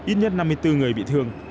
ít nhất năm mươi bốn người bị thương